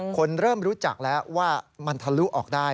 คนเริ่มรู้จักแล้วว่ามันทะลุออกได้